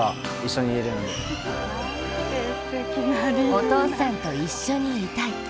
お父さんと一緒にいたい。